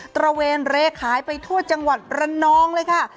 ตระเวนเรขายไปทั่วจังหวัดระนองเลยค่ะ